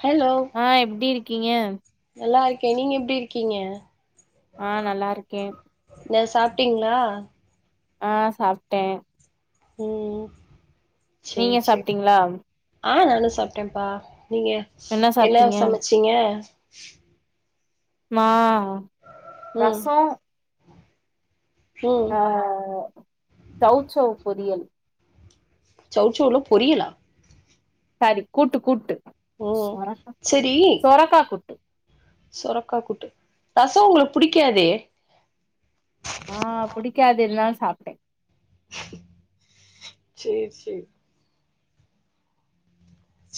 Hello அ எப்டி இருக்கீங்க நல்லா இருக்கே நீங்க எப்டி இருக்கீங்க அ நல்லா இருக்கே என்ன சாப்ட்டீங்ளா ஆ சாப்ட்டே உம் சேரி நீங்க சேரி சாப்ட்டீங்களா ஆ நானும் சாப்ட்டேப்பா நீங்க என்ன என்னா சாப்ட்டீங்க சமச்சீங்க நா ம் ரசோ ம் அ சௌசெளவ் பொரியல் சௌசெள ல பொரியலா சாரி கூட்டு கூட்டு ம் சொரக்கா கூட்டு செரி சொரக்கா கூட்டு சொரக்கா கூட்டு ரசோ உங்ளுக்கு புடிக்காதே அ புடிக்காது இருந்தாலும் சாப்ட்டே சேரி சேரி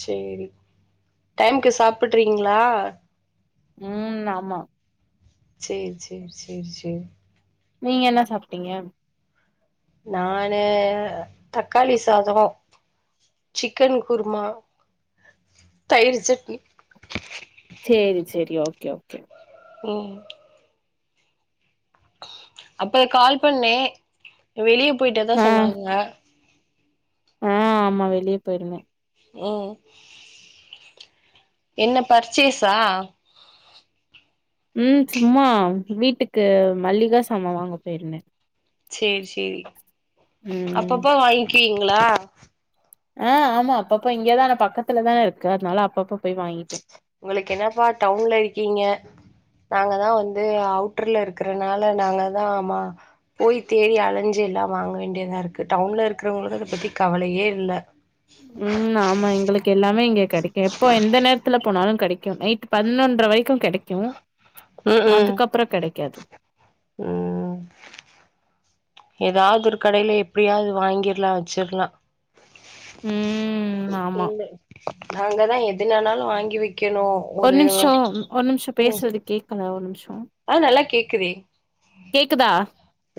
சேரி டைம்க்கு சாப்பட்றீங்ளா உம் ஆமா சேர் சேர் சேர் சேர் நீங்க என்ன சாப்ட்டீங்க நானு தக்காளி சாதம் சிக்கன் குருமா தயிரு சட்னி சேரி சேரி ஓகே ஓகே உம் அப்ப கால் பண்ணே வெளிய போயிட்டதா சொன்னாங்க அ ஆமா வெளிய போயிருந்தே உம் என்ன பர்ச்சேஸா உம் சும்மா வீட்டுக்கு மல்லிக சாமா வாங்க போயிருந்தே சேரி சேரி ம் அப்பப்பா வாங்கிவீங்களா அ ஆமா அப்பப்ப இங்கதான பக்கத்துலதான இருக்கு அதனால அப்பப்ப போயி வாங்கிப்பே உங்களுக்கு என்னாப்பா டவுன்ல இருக்கீங்க நாங்கதா வந்து அவுட்டர்ல இருக்ரனால நாங்கதா ஆமா போய் தேடி அலைஞ்சு எல்லா வாங்க வேண்டியதாருக்கு டவ்ன்ல இருக்றவங்களுக்கு அத பத்தி கவலையே இல்லை உம் ஆமா எங்களுக்கு எல்லாமே இங்க கெடைக்கு எப்போ எந்த நேர்த்துல போனாலு கெடைக்கு நைட்டு பன்த்னொன்ர வரைக்கு கெடைக்கு ம் ம் அதுக்கப்ற கெடைக்காது ம் ஏதாவ்து ஒரு கடைய்ல எப்டியாவ்து வாங்கிர்லா ச்சிர்லா ம் ஆமா என்ன அங்கதா எதுனனாலு வாங்கி வக்கணு ஒரு ஒருவ நிமிஷோ ஒரு நிமிஷோ உ பேசுறது கேக்கல ஒரு நிமிஷோ அ நல்லா கேக்குதே கேக்குதா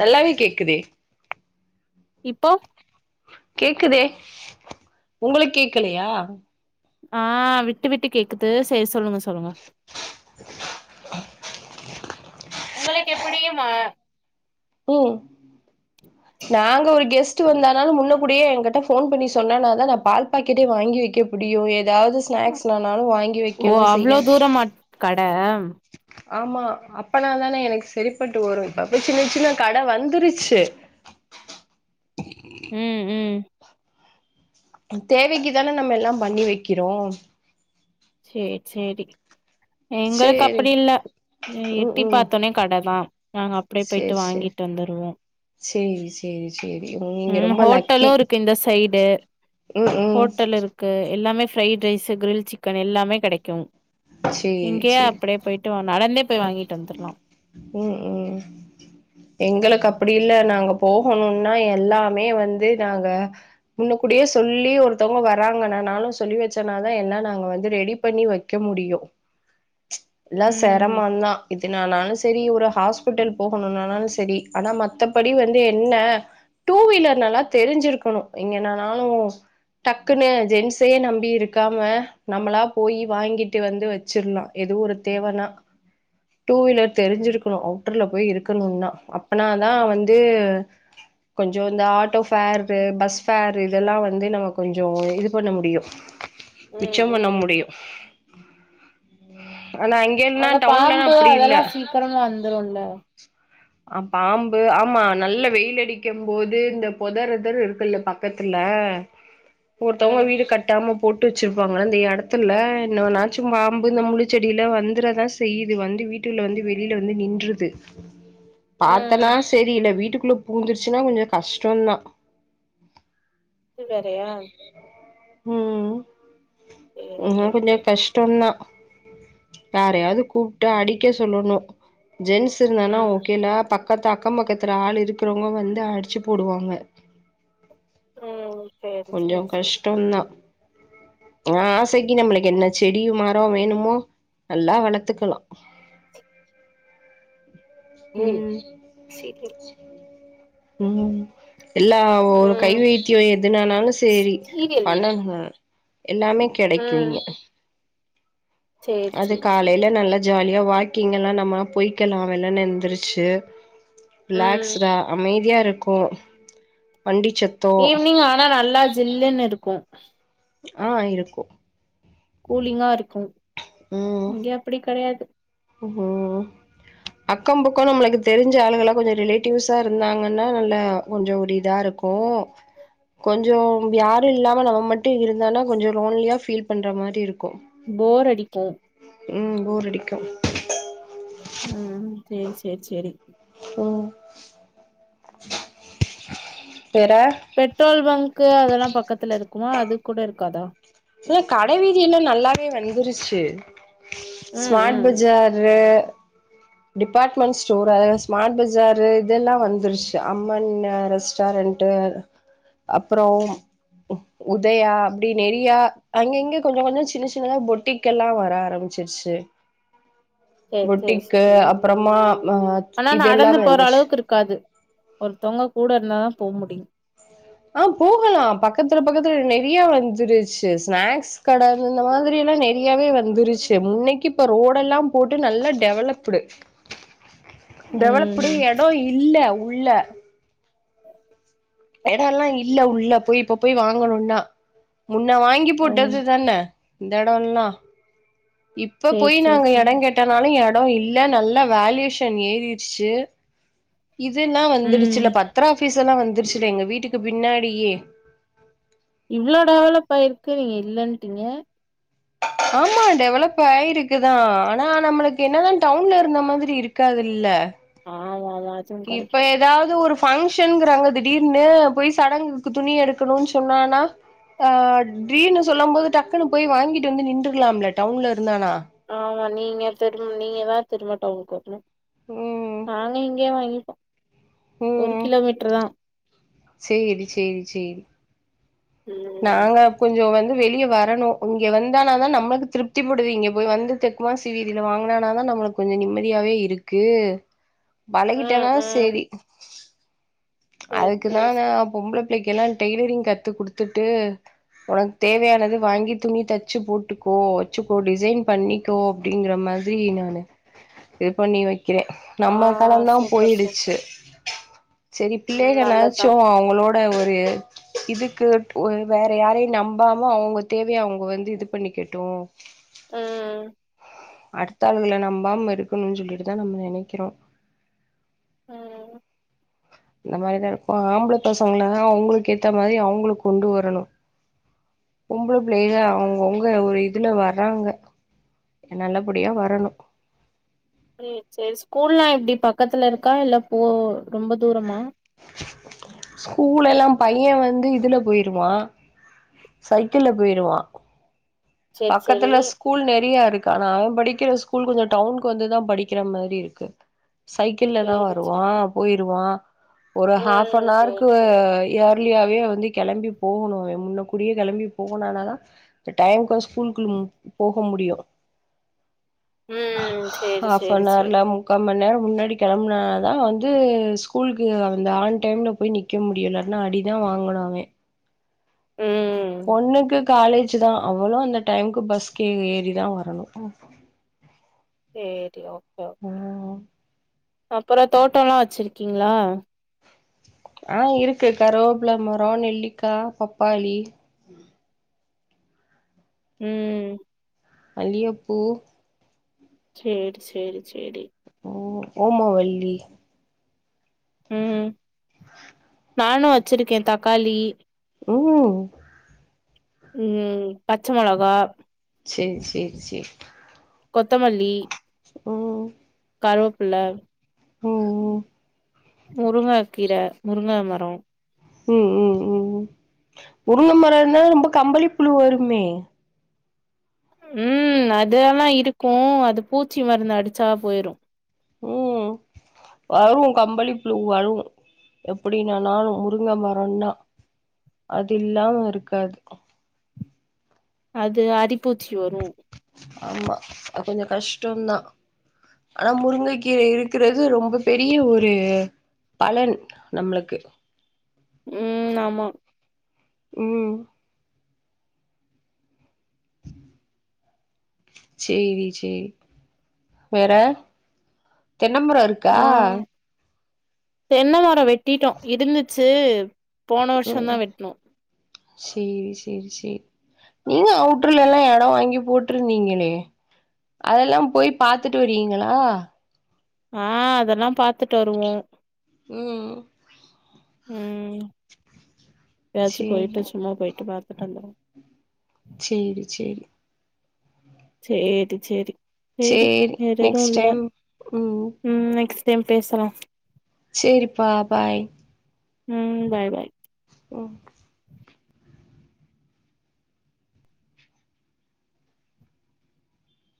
நல்லாவே கேக்குதே இப்போ கேக்குதே உங்களுக் கேக்கலயா ஆ விட்டு விட்டு கேக்குத்து செ சொல்லுங்க சொல்லுங்க அ உங்களேக் எப்புடியுமா உ நாங்க ஒரு கெஸ்ட் வந்தானாலு முன்னகூடியே என்கிட்ட ஃபோன் பண்ணி சொன்னானா தா நா பால் பாக்கெட்டே வாங்கி வைக்கு முடியு ஏதாவ்து ஸ்நாக்ஸ்னானாலு வாங்கி ஓ வெக்கணு அவ்ளோ செய்யன் தூரமா கட அம் ஆமா அப்பனா தானே எனக் சரிப்பட்டு வரு பப்பு சின்ன சின்ன கட வந்துருச்சு ம் ம் தேவைக்கிதான நம்ம எல்லா பண்ணி வக்கிறோ ச்சேட் சேரி எங்களுக் சேரி அப்டி இல்ல எ ம் எட்டி ம் பாத்தோனே கட தா நாங்க அப்டே போய்ட்டு வாங்கிட் வந்துருவோ சேரிஸ் தெரி சேரி உம் உம் ஹோட்டலு இருக்கு இந்த சைடு ம் ம் ஹோட்டல் இருக்கு எல்லாமே ஃப்ரைட் ரைஸு க்ரில் சிக்கன் எல்லாமே கிடைக்கு சேரி இங்கேயே சேரி அப்படே போய்ட்டோ நடந்தே போய் வாங்கிட்டு வந்துர்லா ம் ம் எங்களுக் அப்டி இல்ல நாங்க போஹணுனா எல்லாமே வந்து நாங்க முன்ன கூடியே சொல்லி ஒருத்தவங்க வராங்கனா நாலு சொல்லி வச்சனாதா எல்லா நாங்க வந்து ரெடி பண்ணி வை க்க முடியு எல்லா சேரம் ம் நா இதினானாலு செரி ஒரு ஹாஸ்பிட்டல் போகணுனானாலு செரி ஆனா மத்தபடி வந்து என்ன டூ வீலர் நல்லா தெரிஞ்சிருக்கணு எங்கனனாலு டக்குன்னு ஜென்சே நம்பி இருக்காம நம்மளா போய் வாங்கிட்டு வந்து வச்சிர்லா எதோ ஒரு தேவனா டூ வீலர் தெரிஞ்சிருக்கணு அவுட்டர்ல போய் இருக்கணுனா அப்பனாதா வந்து கொஞ்சோ இந்த ஆட்டோ ஃபேரு பஸ் ஃபேர் இதெல்லா வந்து நம்ம கொஞ்சோ இது பண்ண முடியு ம் மிச்சம் பண்ண ம் முடியு ஆனா அங்க இங்கேன்னான் பாம்பு அதெல்லா சீக்கரமா வந்துருல்ல [inaudible] அ பாம்பு ஆமா நல்ல வெயில் அடிக்கும் போது இந்த பொதருதர் இருக்குல்ல பக்கத்துல ஒருத்தவங்க ம் வீடு கட் ட்டாம போட்டு வச்சிருப்பாங்ல அந்த எடத்துல்ல என்னவேனா ச்சும்பாம்பு இந்த முள்ளு செடில வந்துரதாஸ் செய்யுது வந்து வீட்டுள்ள வந்து வெளில வந்து நின்றுது ம் பாத்தனா செரி இல்ல வீட்டுக்குள்ள பூந்துடுச்சுன்னா கொஞ்ச கஷ்டம்தா இதுவேறையா ம் சேரி என்னா சேரி கொஞ்ச சேரி கஷ் டதா யாரையாவது கூப்ட்டு அடிக்க சொல்லணு ஜென்ஸ் இருந்தன்னா ம் ஓகேல்ல பக்கத்து அக்கம் பக்கத்துல ஆள் இருக்கறவங்க வந்து அடிச்சி போடுவாங்க ம் சேரி கொஞ்ச சேரி சேரி கஷ்டம்தா ஆ ஆசைக்கு நம்மளுக்கு என்ன செடியு மர வேணுமோ நல்லா வளக் த்துக்கலா ம் செரி ம் எல்லா ஒரு ம் கைவைத்திய எதுனானாலு சேரி சீரியல் பண்ணணுங்க எல்லாமே கெடைக்கு ம் இங்க சேரி அது சேரி சேரி காலைல நல்லா ஜாலியா வாக்கிங் எல்லா நம்ம பொய்கலாம்ல நந்துருச்சு ம் ரிலாகஸ்டா அமைதியா இருக்கு வண்டிச்சத் ஈவ்னிங் ஆனா நல்லா ஜில்லுன்னு இருக்கு ஆ இருக்கு கூலிங்கா இருக்கு ம் இங்க அப்டி கெடையாது ம் அக்கம் பக்க நம்மளுக்கு தெரிஞ்ச ஆளுங்கா கொஞ்ச ரிலேட்டிவ்ஸா இருந்தாங்கன்னா நல்ல கொஞ்ச ஒரு இதா இருக்கு ஓ கொஞ்ச யாரு இல்லாம நம்ம மட்டு இருந்தானா கொஞ்ச லோன்லியா ஃபீல் பண்ற மாரி இருக்கு போர் அடிக்கு ம் போர் அடிக்கு ம் சேர் சேர் சேரி ஓ வேற பெட்ரோல் பங்க் அதெல்லா பக்கத்துல இருக்குமா அது கூட இருக்காதா இல்ல கடை வீதிய எல்லா நல்லாவே வந்துருச்சு ம் ஸ்மார்ட் ம் Bazaar department store Smart Bazaar இதெல்லா வந்துருச்சு அம்மன் ரெஸ்டாரண்ட் அப்புற உதயா அப்டி நெறையா அங்க இங்க கொஞ்ச கொஞ்ச சின்ன சின்னதா பொட்டிக்கெல்லா வர ஆரம்பிச்சிருச்சி சேர் சேரி இருக்கு அப்றமா ஆனா நடந்து இதெல்லாமே போற வந்துச்சு அளவுக்கு இருக்காது ஒருத்தவங்க கூட இருந்தா போக முடியு ஆ போகலா பக்கத்துல பக்கத்துல நெறியா வந்துருச்சு ஸ்நாக்ஸ் கட இந்த மாரி எல்லா நெறையாவே வந்துருச்சி முன்னைக்கு இப்போ ரோடெல்லாம் போட்டு நல்லா டெவலப்டு டெவலப்ப்டு ம் எடோ இல்ல உள்ள எடோல்லா இல்ல உள்ள போய் இப்ப போய் வாங்கணும்னா முன்ன வாங்கி ஓ போட்டது தானே இந்த எடோல்லா இப்ப சேரி போய் சேரி நாங்க எடோ சேரி கேட் டனாலு எடோ இல்ல நல்ல வேல்யேஷன் ஏறிருச்சு இதுல்லா ம் வந்துருச்சில பத்ர ஆபீஸ் எல்லா வந்துருச்சில எங்க வீட்டுக்கு பின்னாடியே இ்வ்ளோ டெவலப் ஆயிருக்கு நீங்க இல்லட்டீங்க ஆமா டெவலப் ஆயிருக்குதா ஆனா நம்மளுக்கு என்னதா டவுன்ல இருந்த மாதிரி இருக்காதுல்ல ஆமா அவர் இப்ப ஏதாவது ஒரு பங்ஷன்ங்கிறாங்க திடீர்னு போயி சடங்குக்கு துணி எடுக்கணும்னு சொன்னானா ஆ ட்ரீனு சொல்லம் போது டக்குன்னு போயி வாங்கிட்டு வந்து நின்றுலாம்ல்ல டவுன்ல இருந்தானா ஆமா நீங்க திரும் நீங்க தா திரும்ப டவுனுக்கு வரணு ம் நாங்க இங்கயே வாங்கிப்போ ஒரு ம் கிலோமீட்ரு தா சேரி சேரி சேரி ம் நாங்க கொஞ்சோ வந்து வெளிய வரணும் இங்க வந்தானாதா நம்மளுக்கு திருப்திப்படுது இங்க போயி வந்து தெக் அமாசி வீதில வாங்கினானா தா நம்மளுக்கு கொஞ்சோ நிம்மதியாவே இருக்கு ம் பழகிட்டனா ம் சேரி சேரி சேரி அதுக்குதாங்க சேரி பொம்பள பிள்ளக்கெல்லா டெய்லரிங் கத்து குடுத்துட்டு உனக்கு தேவையானது வாங்கி துணி தெச்சி போட்டுக்கோ வச்சிக்கோ டிசைன் பண்ணி க்கோ அப்படிங்கிற மாதிரி நானு இது பண்ணி வைக்கிறே ஆ நம்ம காலந்தா சூப்பர் போயிடுச்சு சூப்பர் சேரி ம் பிள்ளைகள் நல்லதுதா ஆச்சும் அவங்களோட ஒரு இதுக்குட் ஓ வேற யாரையு நம்பாம அவங்க தேவைய அவங்க வந்து இது பண்ணிக்கட்டும் ம் அடுத்த ஆள்கள நம்பாம இருக்கணும்னு சொல்லிட்டுதா நம்ப நெனக்கிறோ ம் இந்த மாதிரிதா இப்ப ஆம்பள பசங்கள அவங்களுக்கு ஏத்த மாறி அவங்களுக்கு கொண்டு வரணும் பொம்பள பிள்ளைங்க அவங்கவுங்க ஒரு இதுல வர்றாங்க எ நல்லபடியா வரணும் ம் சேரி ஸ்கூல்லா எப்டி பக்கத்துல இருக்கா இல்ல போ ரொம்ப தூரமா ஸ்கூல் எல்லா பையன் வந்து இதுல போயிருவா சைக்கிள்ல போயிருவா சேரி சேரி பக்கத்துல ஸ்கூல் நெறையா இருக்கு ஆனா அவன் படிக்கிற ஸ்கூல் கொஞ்சோ டவுனுக்கு வந்துதா படிக்கிற மாறி இருக்கு சைக்கிள் தா சேரி வருவா சேரி போயிருவா ஒரு ம் சேரி ஹாஃபானார்க்கு சேரி யர்லியாவே வந்து கிளம்பி போணும் முன்ன கூடியே கிளம்பி போனானா தா இந்த டைம்க்கு ஸ்கூல் குள்ள போக முடியும் ம் சேரி ஹாஃப் சேரி அன் சேரி ஹவர்ல முக்கா மண் நேரம் முன்னாடி கிளம்புனாதா வந்து ஸ்கூலுக்கு அந்த ஆண் டைம்ல போயி நிக் க முடியு இல்லாட்டினா அடிதா வாங்கணு அவேன் ம் பொண்ணுக்கு காலேஜ் தா அவளும் அந்த டைம்க்கு பஸ்கே ஏறி தா வரணு ம் சேரி ஓகே ஓகே ம் அப்புறோ தோட்டோல்லா வச்சிருக்கீங்ளா ஆ இருக்கு கருவேபில மரோ நெல்லிக்கா பப்பாளி ம் மல்லியப்பூ சேரி சேரி சேரி ஓ ஓமவல்லி ம் நானும் வச்சிருக்கே தக்காளி ஓ உம் பச்ச மிளகா சேரி சேரி சேரி கொத்தமல்லி ஓ கருவப்பில்ல ம்ம் முருங்கக்கீர முருங்க மரோ ம் ம் ம் முருங்க மரம் இருந்தா ரொம்ப கம்பளி புழு வருமே ம் அதெல்லா இருக்கு அது பூச்சி மருந்து அடிச்சா போயிரு ம் வரு கம்பளி புழு வரு எப்டின்னாலு முருங்க மரம்னா அது இல்லாம இருக்காது அது அரிப்பூச்சி வரு ஆமா கொஞ்ச கஷ்டோ தா ஆனா முருங்க கீர இருக்கிறது ரொம்ப பெரிய ஒரு பலன் நம்ளுக்கு ம் ஆமா ம் உ சேரி சேரி வேற தென்னம்மரோ இருக் ஆ தென்ன மரோ வெட்டிட்டோ இருந்துச்சு போன வருஷ தா ம் வெட்ணோ சேரி சேரி சேரி நீங்க அவுட்ர்ல ல்லா எடோ வாங்கி போட்டுருந்தீங்களே அதெல்லா. போய் பாத்துட்டு வரீங்களா ஆ அதெல்லா பாத்துட்டு வருவோ ம் ம் எதாச்சு போயிட்டு சேரி சும்மா போயிட்டு பாத்துட்டு வந்தர்லா சேரி சேரி சேரி சேரி சேரி நெக்ஸ்ட் வேறெதுல்ல டைம் ம் நெக்ஸ்ட் டைம் பேசலா சேரிப்பா பாய் ம் பாய் பாய் ம்